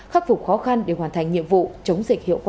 khắc phục khó khăn để hoàn thành nhiệm vụ chống dịch hiệu quả